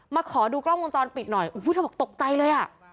มาขอดูกล้องวงจรปิดหน่อยเธอบอกตกใจเลย